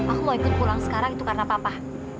aku mau ikut pulang sekarang itu karena papa